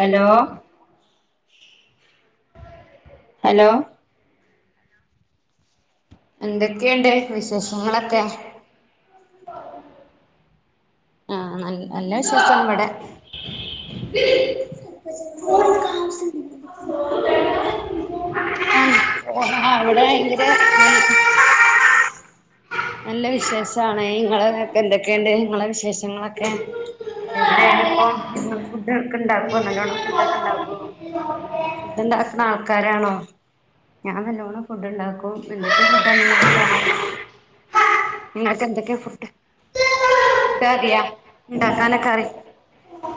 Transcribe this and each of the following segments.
Hello hello എന്തൊക്കെയുണ്ട് എന്തൊക്കെയണ്ട് വിശേഷങ്ങളൊക്കെ ആഹ് നല്ല വിശേഷാണ് ഇവിടെ [unintelligible] ആഹ് അവിടെ ഭയങ്കര നല്ല വിശേഷാണ് ഇങ്ങളക്കെ എന്തൊക്കെയുണ്ട് നിങ്ങളെ വിശേഷങ്ങളൊക്കെ എവിടെ ഇപ്പം ഫുഡൊക്കെ ഉണ്ടാക്കോ നല്ലവണ്ണം ഫുഡ് ഒക്കെ ഉണ്ടാക്കുവോ [inaudible] ഫുഡ് ഉണ്ടാക്കുന്ന ആൾക്കാരാണോ ഞാൻ നല്ലവോണം ഫുഡ് ഉണ്ടാക്കും എന്തൊക്കെയ ഫുഡാണ് നി പറ നിങ്ങൾക്ക് എന്തൊക്കെ ഫുഡ് ഫുഡ് അറിയാ ഉണ്ടാക്കാനൊക്കെ അറി [inaudible] [unintelligible]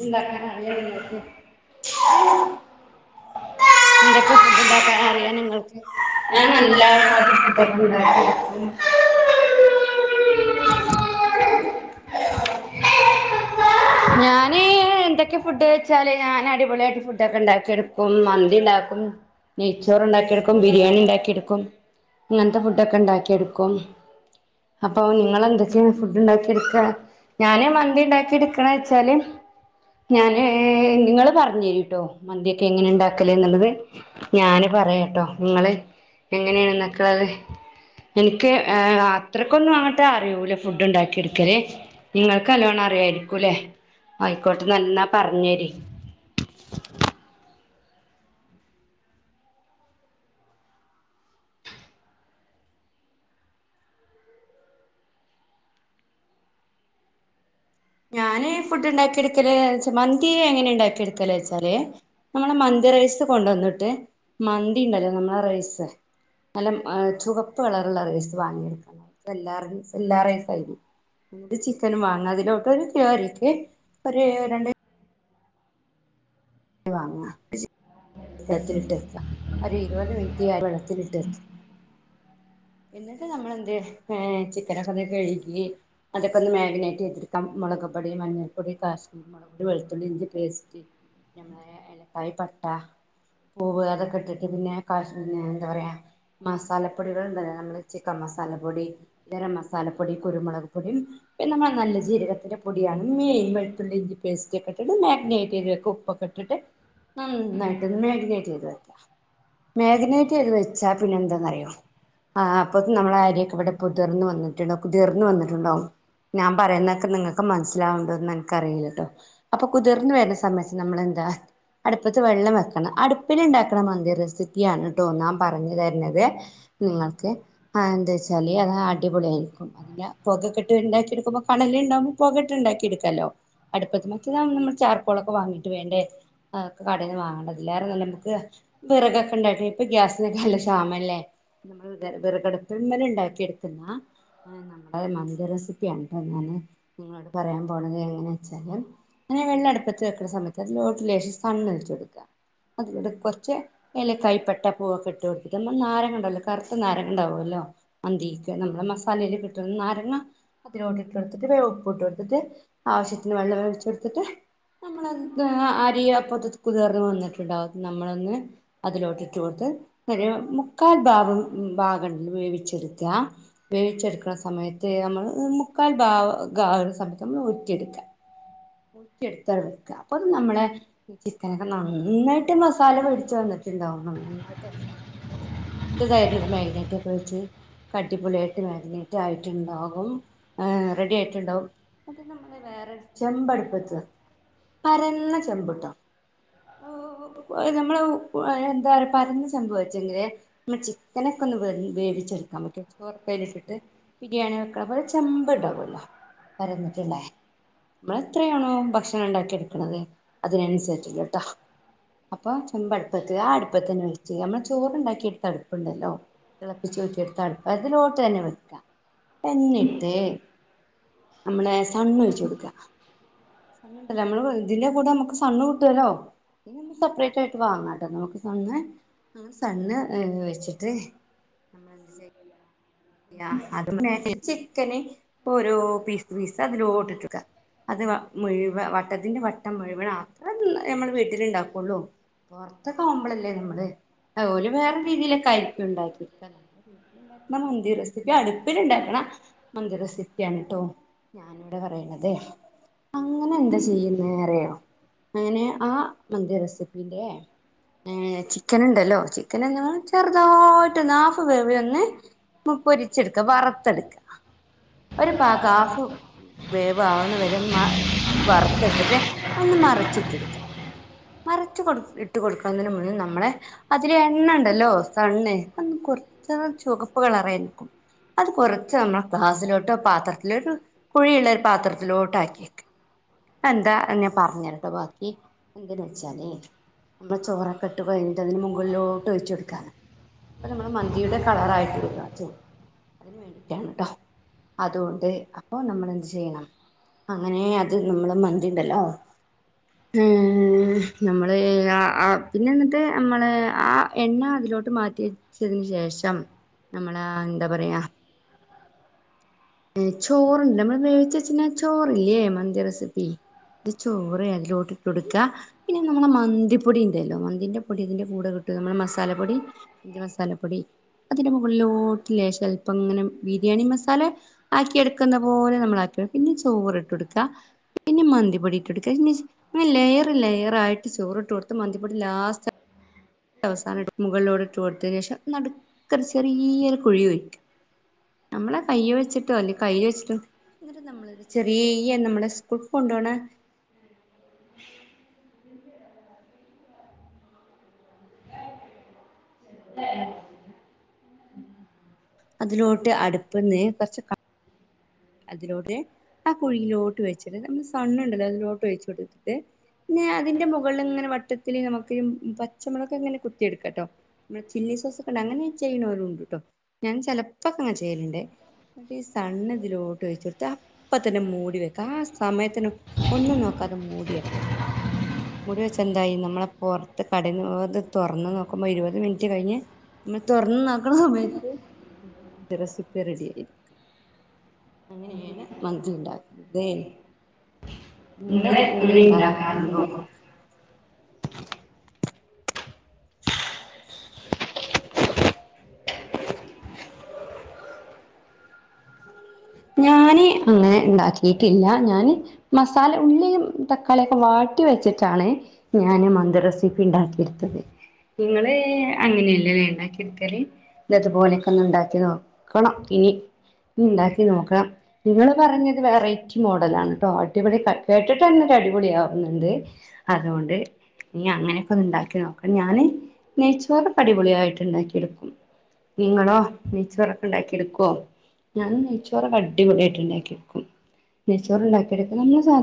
ഇണ്ടാക്കാൻ അറിയൽ ഇണ്ടാവുലലേ എന്തൊക്കെ ഫുഡ്ണ്ടാക്കാൻ അറിയാ നിങ്ങൾക്ക് ഞാൻ നല്ലായിട്ട് ഫുഡൊക്കെ ഉണ്ടാക്കും ഞാന് എന്തൊക്കെ ഫുഡ് വെച്ചാല് ഞാൻ അടിപൊളിയായിട്ട് ഫുഡൊക്കെ ഉണ്ടാക്കി എടുക്കും മന്തിണ്ടാക്കും നെയ്ച്ചോറ് ഉണ്ടാക്കിയെടുക്കും ബിരിയാണി ഉണ്ടാക്കിയെടുക്കും ഇങ്ങനത്തെ ഫുഡ ഒക്കെ ഉണ്ടാക്കിയെടുക്കും അപ്പൊ ഇങ്ങള് എന്തൊക്കെയാ ഫുഡ് ഉണ്ടാക്കിയെടുക്ക ഞാന് മന്തി ഉണ്ടാക്കിയെടുക്കണ വെച്ചാല് ഞാന് നിങ്ങള് പറഞ്ഞ് തരിട്ടോ മന്തിയൊക്കെ എങ്ങനെ ഉണ്ടാക്കല് എന്നുള്ളത് ഞാന് പറയാട്ടോ നിങ്ങള് എങ്ങനെയാണ് ഉണ്ടാക്ക്ന്നത് എനിക്ക് ഏഹ് അത്രക്കൊന്നും അങ്ങട്ട് അറിയൂല ഫുഡ് ഉണ്ടാക്കിയെടുക്കലേ നിങ്ങൾക്ക് നല്ലോണ്ണം അറിയായിരിക്കൂല്ലേ ആക്കോട്ട് നന്നാ പറഞ്ഞര് ഞാന് ഫുഡ് ഉണ്ടാക്കിയെടുക്കല് വെച്ചാ മന്തി എങ്ങനെ ഉണ്ടാക്കിയെടുക്കല് വെച്ചാ ല്ലേ നമ്മളെ മന്തി റൈസ് കൊണ്ട് വന്നിട്ട് മന്തിണ്ടല്ലോ നമ്മളെ റൈസ് നല്ല ചുവപ്പ് കളറുള്ള റൈസ് വാങ്ങിയെടുക്കാണ് വല്ലാ റൈസ് വല്ലാ റൈസ് ആയിരിക്കും എന്നിട്ട് ചിക്കനും വാങ്ങ അതിലോട്ട് ഒരു കിലോ അരിക്ക് ഒര് രണ്ട് വാങ്ങ വെള്ളത്തിലിട്ട്‌വെക്ക ഒരു ഇരുപത് മിനിറ്റ് ആ വെള്ളത്തിലിട്ട് വെക്ക എന്നിട്ട് നമ്മൾ എന്ത് ഏ ചിക്കനൊക്കൊന്ന് കഴുകി അതൊക്കെ ഒന്ന് മാഗിനേറ്റ് ചെയ്തിരിക്കാം മുളക് പൊടി മഞ്ഞൾ പൊടി കാശ്മീരി മുളകുപൊടി വെളുത്തുള്ളി ഇഞ്ചി പേസ്റ്റ് നമ്മളെ ഏലക്കായി പട്ട പൂവ് അതൊക്കെ ഇട്ടിട്ട് പിന്നെ കാശ് എന്താ പറയാ മസാലപ്പൊടികൾ ഇണ്ടല്ലോ നമ്മള് ചിക്കൻ മസാലപ്പൊടി ഗര മസാലപ്പൊടി കുരുമുളക് പൊടിയും ഇപ്പെ നമ്മള് നല്ല ജീരകത്തിന്റെ പൊടിയാണ് മീൻ വെളത്തുള്ളി ഇഞ്ചി പേസ്റ്റ് ഒക്കെ ഇട്ടിട്ട് മാഗ്നേറ്റ് ചെയ്ത് വെക്കും ഉപ്പൊക്കെട്ടിട്ട് നന്നായിട്ട് ഒന്ന് മാഗ്നിനേറ്റ് ചെയ്ത് വെക്കാ മാഗ്നേറ്റ് ചെയ്ത് വെച്ചാ പിന്നെ എന്താന്ന് അറിയോ ആ അപ്പൊ നമ്മളെ ആരിയൊക്കെ ഇവിടെ കുതിർന്നു വന്നിട്ടുണ്ടാവും കുതിർന്ന് വന്നിട്ടുണ്ടാവും ഞാൻ പറയുന്നൊക്കെ നിങ്ങക്ക് മനസ്സിലാവ്ണ്ടോ എന്ന് എനിക്ക് അറിയില്ലട്ടോ അപ്പൊ കുതിർന്ന് വരുന്ന സമയ നമ്മളെന്താ അടുപ്പത്ത് വെള്ളം വെക്കണം അടുപ്പിൽ ഉണ്ടാക്കണ മന്തി റെസിപ്പിയാണ് ട്ടോ നാം പറഞ്ഞു തരുന്നത് നിങ്ങൾക്ക് ആ എന്താ വെച്ചാല് അത് അടിപൊളിയായിരിക്കും ഇല്ല പുകക്കെട്ട്ണ്ടാക്കിയെടുക്കുമ്പോ കണല്ണ്ടാവുമ്പോ പുക ഇട്ട് ഇണ്ടാക്കിയെടുക്കാല്ലോ അടുപ്പത്ത് മറ്റേത് നമ്മൾ ചാർക്കോളൊക്കെ വാങ്ങി വേണ്ടെ കടയിന്ന് വാങ്ങണ്ട അതില്ലാരെ നല്ലത് നമുക്ക് വിറകൊക്കെ ഇണ്ടാക്കിട്ട് ഇപ്പം ഗ്യാസിനൊക്കെ നല്ല ശാമല്ലേ നമ്മൾ വിറകടപ്പിന്ന് തന്നെ ഇണ്ടാക്കിയെടുക്കുന്ന ആ നമ്മുടെ മന്തി റെസിപ്പിയാന്ന് ട്ടോ ഞാന് നിങ്ങളോട് പറയാൻ പോണത് എങ്ങനെ വെച്ചാല് അങ്ങനെ വെള്ളം അടുപ്പത്ത് വെക്ക്ണ അതിലോട്ട് ലേശം സൺ ഒഴിച്ചൊടുക്കുക അതിലോക്ക് കൊറച്ച് ഏലക്കായ് പട്ട പൂവൊക്കെ ഇട്ട് കൊടുത്തിട്ട് നമ്മ നാരങ്ങ ഉണ്ടാല്ലോ കറുത്ത നാരങ്ങ ഉണ്ടാവല്ലോ മന്തിക്ക് നമ്മളെ മസാലയിൽ ഇട്ടിട്ടുള്ള നാരങ്ങ അതിലോട്ട് ഇട്ട് കൊടുത്തിട്ട് വേം ഉപ്പ് ഇട്ട് കൊടുത്തിട്ട് ആവശ്യത്തിന് വെള്ളം ഒഴിച്ച് കൊടുത്തിട്ട് നമ്മളത് അരിയ അപ്പോത്തെ കുതിർന്നു വന്നിട്ടുണ്ടാവും നമ്മളൊന്ന് അതിലോട്ടിട്ട് കൊടുത്ത് ഒരു മുക്കാൽ ഭാഗം ഭാഗം വേവിച്ചെടുക്ക വേവിച്ചെടുക്കണ സമയത്ത് നമ്മൾ മുക്കാൽ ഭാവ ഗാവുന്ന സമയത്ത് നമ്മൾ ഊറ്റിയെടുക്ക ഊരിയെടുത്ത അവടെ വെക്ക അപ്പൊ നമ്മളെ ചിക്കനൊക്കെ നന്നായിട്ട് മസാല പിടിച്ചു വന്നിട്ടുണ്ടാവും നന്നായിട്ട് മസാല ഇതായിരിക്കില്ല മഗ്നിനറ്റൊക്കെ വെച്ച് അടിപൊളയായിട്ട് മാഗ്നിനേറ്റ് ആയിട്ടുണ്ടാകും റെഡി ആയിട്ടുണ്ടാവും വേറെ ചെമ്പടുപ്പത്ത് പരന്ന ചെമ്പ്ട്ടോ നമ്മള് എന്താ പറ പരന്ന ചെമ്പ് വച്ചെങ്കില് ന്ന ചിക്കനൊക്കെ ഒന്ന് വെൻ വേവിച്ചെടുക്കാൻ നമ്മക്ക് [unintelligible] ഇട്ടിട്ട് ബിരിയാണി വെക്കണ പോലെ ചെമ്പ് ഉണ്ടാവല്ലോ പരന്നിട്ടുള്ളേ നമ്മള് എത്രയാണോ ഭക്ഷണം ഉണ്ടാക്കി എടുക്കണുന്നത് അതിനനുസരിച്ചിട്ട് ട്ടോ അപ്പൊ ചെമ്പ് അടുപ്പത്ത് ആ അടുപ്പത്തിന്നെ വളിച്ച് നമ്മൾ ചോറ്ണ്ടാക്കി എടുത്ത അടുപ്പുണ്ടല്ലോ അടുപ്പുണ്ടല്ലോ തിളപ്പിചൂറ്റിയെടുത്ത അടുപ്പ് അതിലോട്ട് തന്നെ വെക്കാ എന്നിട്ട് നമ്മളെ സൺ ഒഴിച്ച് കൊടുക്കാ നമ്മള് [unintelligible] ഇതിന്റെ കൂടെ നമുക്ക് സണ്ണ് കിട്ടുവല്ലോ ഇ നമ്മ സെപ്പറേറ്റ് ആയിട്ട് വാങ്ങണംട്ടോ നമുക്ക് സണ്ണ് അങ്ങനെ സണ്ണ് ഏ വെച്ചിട്ട് നമ്മൾ എന്ത് യാ അത് [unintelligible] ചിക്കന് ഇപ്പൊഓരോ പീസ് പീസ് അതിലോട്ട്ട്ടൊട്ക്ക അത് വ മുഴുവൻ വട്ടത്തിന്റെ വട്ടം മുഴുവൻ അത്ര നമ്മൾ വീട്ടിൽ ഉണ്ടാക്കുള്ളൂ പുറത്തൊക്കെ പോവുമ്പോളല്ലേ നമ്മള് ഓൽ വേറെ രീതിയിലാ കരിക്ക് ഇണ്ടാക്കിരിക്ക [unintelligible] കരിക് ഇണ്ടാക്കണം മന്തി റെസിപ്പി അടുപ്പിൽ ഉണ്ടാക്കണ മന്തി റെസിപ്പിയാണ് കേട്ടോ ഞാനിവിടെ പറയണതെ അങ്ങനെ എന്താ ചെയ്യുന്നറയോ അങ്ങനെ ആ മന്തി റെസിപ്പിന്റെ ഏ ചിക്കനുണ്ടല്ലോ ചിക്കനൊന്ന് ചെറുതായിട്ട് ഹാഫ് വേവിലൊന്ന് പൊ പ്പൊരിച്ചെടുക്ക വറുത്തെടുക്ക ഒരു പാക് ഹാഫ് വേവ്‌ ആവണ വരൻ വറുത്തെടുത്തിട്ട് ഒന്ന് മറച്ച്ട്ടടുക്കാ മറച്ച് കൊടു ഇട്ട് കൊടുക്കുന്നതിന് മുന്നേ നമ്മളെ- അതില് എണ്ണണ്ടല്ലോ സണ്ണ് അത് കുറച്ച് ചുവപ്പുകളറായി നിക്കും അത് കുറച്ച് നമ്മള് ഗ്ലാസിലോട്ടോ പാത്രത്തിലോട്ട് കുഴിയുള്ള ഒരു പാത്രത്തിലോട്ട് ആക്കിക്ക. എന്താ ഞാൻ പറഞ്ഞരട്ടോ ബാക്കി എന്തന്ന് വെച്ചാലേ നമ്മള ചോറൊക്കെ ഇട്ട് വെന്തതിൻ മുകളിലോട്ട് ഒഴിച്ച് കൊടുക്കാ അപ്പൊ നമ്മള് മന്തിയുടെ കളറ ആയിട്ട് ഇരിക ചോറ് അതിന് വേണ്ടിട്ടാണ് ട്ടോ അതുകൊണ്ട് അപ്പൊ നമ്മൾ എന്ത് ചെയ്യണം അങ്ങനെ അത് നമ്മള് മന്തി ണ്ടല്ലോ ഉം നമ്മള് ആഹ് ആ പിന്നെ എന്നിട്ട് നമ്മളെ ആ- എണ്ണ അതിലോട്ട് മാറ്റി വച്ചതിന് ശേഷം നമ്മള എന്താ പറയാ ഉം ചോറുണ്ട് നമ്മള് വേവിച്ചു വെച്ച്ക്ക്ണ ചോറില്ലേ മന്തി റെസിപ്പി ഇത് ചോറ് അതിലോട്ട് ല്ലോട്ടിട്ട് കൊടുക്ക. പിന്നെ നമ്മളെ മന്തിപ്പൊടി ണ്ടല്ലോ മന്തിന്റെ പൊടി ഇതിന്റെ കൂടെ കിട്ടും നമ്മള് മസാലപ്പൊടി മന്തി മസാലപ്പൊടി അതിന്റെ മുകളിലോട്ട് ലേശം അൽപ്പം ഇങ്ങനെ ബിരിയാണി മസാല- ആക്കി എടുക്കുന്ന പോലെ നമ്മള് ആക്കി പിന്നെ ചോറ് ഇട്ട് കൊടുക്കുക പിന്നെ മന്തിപൊടി ഇട്ടൊടുക്ക അയിന് ശേ ഇങ്ങനെ ലെയർ ലെയർ ആയിട്ട് ചോറിട്ടൊടുത്ത് മന്തിപ്പൊടി ലാസ്റ്റ് അ അവസാനായിട്ട് മുകളിലൂടെ ഇട്ടോടുത്തിന് ശേഷം നടുക്കെ ചെറിയൊരു കുഴി കുഴിക്ക ഞമ്മളെ കൈ വെച്ചിട്ടൊ അല്ലേ കൈ വെച്ചിട്ടും നമ്മള ചെറിയ നമ്മളെ സ്കൂൾ കൊണ്ടു പോണ- [unintelligible] ഏ അതിലോട്ട് അടുപ്പ്ന്ന് കുറച്ച് ക അതിലോട്ട് ആ കുഴിയിലോട്ട് വെച്ചിട്ട് നമ്മള് സണ്ണുണ്ടല്ലോ അതിലോട്ട് ഒഴിച്ചു കൊടുത്തിട്ട് പിന്നെ അതിന്റെ മുകളിൽ ഇങ്ങനെ വട്ടത്തില് നമുക്ക് പച്ചമുളക്കെ ങ്ങനെ കുത്തിയെടുക്കാം ട്ടോ നമ്മടെ ചില്ലി സോസ് ഒക്കെ ഉണ്ട് അങ്ങനെ ചെയ്യണുന്നവരുംണ്ട് ട്ടോ ഞാൻ ചിലപ്പോക്ക അങ്ങനെ ചെയ്യല്ണ്ട് എന്നിട്ട് ഈ സണ്ണ് ഇതിലോ ട്ട് വെിച്ചെടുത്ത് അപ്പ തന്നെ മൂടി വെക്കാം ആ സമയത്തിന് ഒന്നും നോക്കാതെ മൂടി വെക്കാം. മുടി വെച്ച എന്തായി നമ്മളെ പുറത്ത് കടന്ന്ത് തുറന്ന് നോക്കുമ്പോ ഇരുപത് മിനിറ്റ് കഴിഞ്ഞ് മ തുറന് നോക്കണ സമയത്ത് മ രസിപ് റെഡി ആയി അങ്ങനെയാണ് മന്തി ഉണ്ടാക്കുന്നത്. നിങ്ങള് അങ്ങനെ ഉണ്ടാക്കാറുണ്ടോ. [inaudible] ഞാന് അങ്ങനെ ഉണ്ടാക്കിട്ടില്ല ഞാന്. മസാല ഉള്ളിയും തക്കാളിയൊക്കെ വാട്ടി വെച്ചിട്ടാണ്. ഞാാന് മന്തി റെസിപ്പി ഉണ്ടാക്കിടുത്തത്. നിങ്ങള് അങ്ങ. നെയല്ലല്ലേണ്ടാക്കി എടുത്തല് ഇതുപോലെയൊക്കെ ഒന്ന് ഉണ്ടാക്കി നോക്കണം ഇനി ഇനി ഉണ്ടാക്കി നോക്കണം. നിങ്ങള് പറഞ്ഞത് വെറൈറ്റി മോഡല ആണട്ടോ അടിപൊളി കേട്ടിട്ട് തന്നെ ഒരു അടിപൊളി ആകുന്നുണ്ട്. അതുകൊണ്ട്. നീ അങ്ങനെയൊക്കെ ഒന്ന് ഉണ്ടാക്കി നോക്ക ഞാന് നെയ്ച്ചോറ് പടിപൊളിയായിട്ട് ഉണ്ടാക്കി എടുക്കും. നിങ്ങളോ നെയ്ച്ചോറൊക്കെ ഉണ്ടാക്കി എടുക്കുവോ ഞാൻ നെയ്ച്ചോറക്ക അടിപൊളിയായിട്ട ഉണ്ടാക്കിെടുക്കും നൈ ചോർ ഉണ്ടാക്കിെടുക്കാ നല്ല.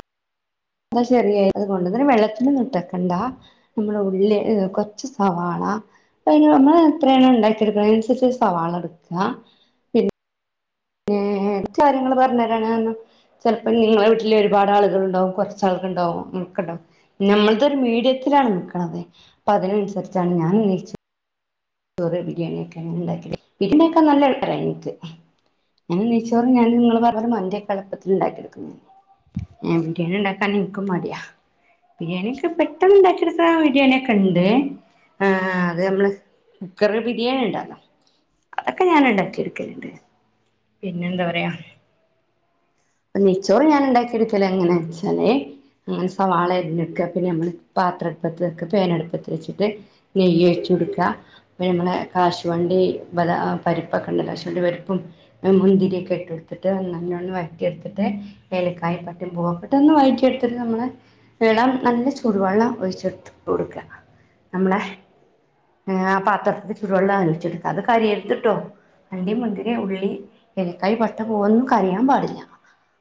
എന്താ ശെരിയായി അതുകൊണ്ട് തന്നെ വെള്ളത്തിലൊന്നും. ഇട്ട്ക്കണ്ട. നമ്മള ഉള്ളിൽ കൊറച്ച് സവാള. അ നമ്മള് എത്രയാണ് ഉണ്ടാക്കിയെടുക്ക അതിനനുസരിച്ച് സവാള എടുക്കുക. ഏ എ കാര്യങ്ങള് പറഞ്ഞരാണ്ന്ന്. ചിലപ്പോം നിങ്ങളെ വീട്ടില് ഒരുപാട് ആളുകൾണ്ടാവും കുറച്ച ആൾക്കുണ്ടാവും നമുക്കുണ്ടാാവും. നമ്മ ൾതരു മീടിയത്തിലാണ് എട്ക്ക്ണത് അപ്പൊ അതിൻ അൻസരിച്ചാണ് ഞാൻ നൈ ചോ. ചോറ ബിരിയാണിയൊക്കെ അങ്ങനെ ഉണ്ടാക്കി ബരിണിയൊക്കെ നല്ല എളുപ്പമാണ് എനിക്ക് ഞാൻ നൈ ചോറും [unintelligible] മന്തി ഒക്കെ എളുപ്പത്തിൽ ഉണ്ടാ ക്കി എടുക്ക ലിണ്ട്. ഏഹ് ബിരിയാണി ഉണ്ടാക്കാൻ നിനിക്കും മടിയാ. ബിരിയാണി ഒക്കെ പെട്ടന്ന് ഉണ്ടാകി എടുക്കാനുള്ള അയ്ടിയ ഒക്കെ ഉണ്ട് ആഹ് അത് നമ്മള്. കുക്കർ ബിരിയാണി ഉണ്ടല്ലോ അതൊക്കെ ഞാൻ ഉണ്ടാക്കി എട്ക്കലുണ്ട്. പിന്നെന്താ പറയാ. അപ്പൊ നച്ചോള ഞാൻ ഉണ്ടാക്കിെടുക്കല്ലോങ്ങനാ വെച്ചാലേ. അങ്ങനെ സവാള അരിഞ്ഞെടുക്ക പിന്നെ നമ്മൾ പാത്രടുപ്പത്ത് വക്കെ പേനടുപ്പത്ത് വെച്ചിട്ട്. നെയ്യ ഒഴിച്ചു കൊടുക്ക. പി നമ്മളെ കാശുവണ്ടി പരിപ്പൊക്കെ ഉണ്ട് കാശുവണ്ടി പരിപ്പും. മുന്തിരിയൊക്കെ ഇട്ട്െടുത്തിട്ട് നല്ലോണം വയറ്റി എടുത്തിട്ട്. ഏലക്കായ പട്ടും പോപ്പെട്ട ഒന്ന് വയറ്റിഎടുത്തിട്ട് നമ്മള്. വെളം നല്ല ചുടുവെള്ളം ഒഴിച്ചിട്ട കൊടുക്കുക നമ്മളെ. ആ ആ പാത്രത്തി ചുരുവെള്ളംലിച്ചെടുക്ക അത് കരിയർത്ട്ടോ അണ്ടി മുന്തിരി ഉള്ളി എലക്കായി പട്ട പോവോന്നും കരിയാൻ പാടില്ല.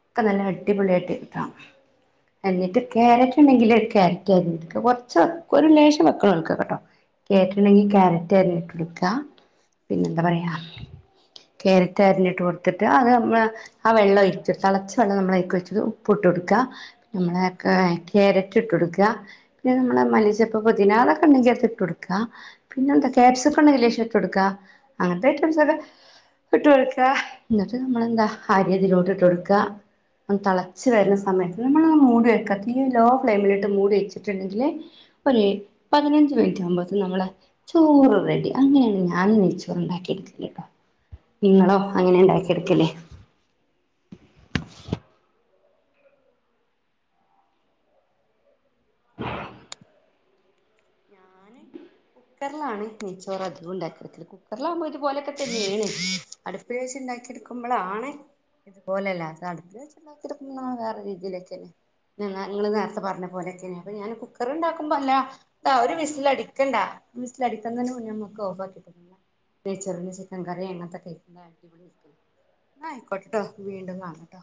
ഒക്കെ നല്ല അടിപൊളിയായിട്ട് കിട്ടണം. എന്നിട്ട് ക്യാരറ്റ് ഉണ്ടെങ്കിൽ ഒരു ക്യാരറ്റ് ആയിട്ട കൊറച്ച് ഒരു ലേശം വെക്കണം കൊൾക്ക കേട്ടോ. കേട്ടുണ്ടെങ്കി കക്യാരറ്റ് അരിഞ്ഞിട്ട്ളിക്ക പിന്നെ എന്താ പറയാ. കരറ്റ് അരിഞ്ഞിട്ട് കൊടുത്തിട്ട് അത് നമ്മൾ. ആ വെള്ളം ഒഴിച്ചി തിളച്ച വെള്ളം നമ്മൾ ഒ ഒഴിച്ചത് ഉപ്പ് ഇട്ട് കൊടുക്കുക. നമ്മള ക്യാരറ്റ് ഇട്ട് കൊടുക്കുക. പിന്നെ നമ്മള മലിച്ചപ്പ പതിനാ അതൊക്കെ ണ്ടെങ്കി ഇട്ട് കൊടുക്ക പിന്നെ എന്തൊക്ക. ക്യാപ്സിക്കാം ഒക്ക ഉണ്ടെങ്കിലേ ലേശം. ഇട്ടോട്ക്ക അങ്ങനത്തെയ് റ്റം സൊക്കെ ഇട്ട് കൊടുക്ക എന്നിട്ട് നമ്മളെന്താ ആയതിയിലോട്ട് ഇട്ട് കൊടുക്ക. ഒ തളച്ച വരുന്ന സമയത്ത് നമ്മൾത് മൂടി വെക്കാത്ത ലോ ഫ്ലെയിമിലിട്ട് മൂടി വെച്ചിട്ടുണ്ടെങ്കില്. ഒരേ പതിനഞ്ച് മിനിറ്റ് ആകുമ്പോത്തും നമ്മളെ. സോ റെഡി അങ്ങനെയാണ് ഞാനും നെയ് ചോർ ഉണ്ടാക്കി എടുക്കില്ല കേട്ടോ. നിങ്ങളോ അങ്ങനെ ഉണ്ടാക്കി എടുക്കല്ലേ. [inaudible] ഞാന് കുക്കറിലാണ് നെയ്ച്ചോറ് അധികം ഉണ്ടാക്കൽ. [inaudible] ഇതുപോലെയൊക്കെെ വീണ് അടുപ്പ്ഴശ ഉണ്ടാക്കി എടുക്കുമ്പോള ആണ്. [inaudible] രീതിയിലൊക്കെ നിങ്ങള് നേരത്തെ പറഞ്ഞ പോലെയൊക്കെെ അപ്പൊ ഞാൻ കുക്കർണ്ടാക്കുമ്പോ അല്ല ആ് ഒരു വിസ്സൽ അടിക്കേണ്ട വിസൽ അടിക്കാൻ തന്നെ നമുക്ക് ഓഫ് ആക്കിട്ട് [inaudible] [inaudible] അങ്ങനെന്തോ ആയിക്കോട്ടെട്ടോ വീണ്ടും കാണട്ടോ